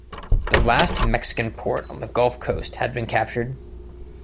The last Mexican port on the Gulf coast had been captured.